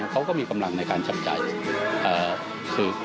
เขาก็มีกำลังในการจำจ่ายคือ